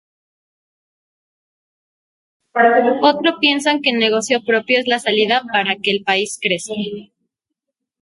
Otro piensan que el negocio propio es la salida para que el país crezca.